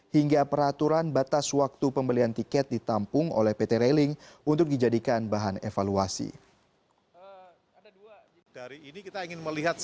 hingga peraturan batas waktu pembelian tiket ditampung oleh pt railing untuk dijadikan bahan evaluasi